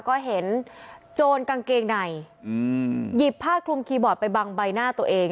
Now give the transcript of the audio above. ก็เห็นโจรกางเกงในหยิบผ้าคลุมคีย์บอร์ดไปบังใบหน้าตัวเอง